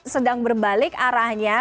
sedang berbalik arahnya